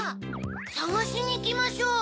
さがしにいきましょう。